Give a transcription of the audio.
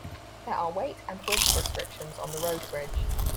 There are weight and width restrictions on the road bridge.